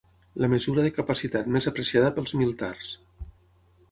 La mesura de capacitat més apreciada pels miltars.